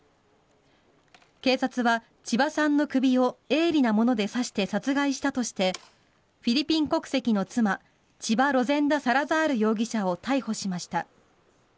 警察は、千葉さんの首を鋭利なもので刺して殺害したとしてフィリピン国籍の妻チバ・ロゼンダ・サラザール容疑者を逮捕しました。